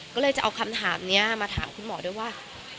ก็เลยจะเอาคำถามนี้มาถามคุณหมอด้วยว่า